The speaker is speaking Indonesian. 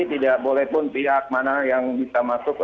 tidak boleh pun pihak mana yang bisa masuk